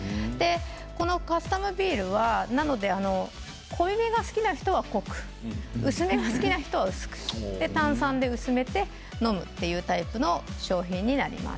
このカスタムビールは濃いめが好きな人は濃く薄めが好きな人は薄く炭酸で薄めて飲むというタイプの商品になります。